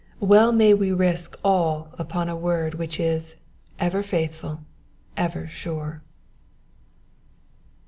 Well may we risk all upon a word which is ever faithful, ever sure.